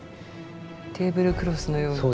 テーブルクロスのように。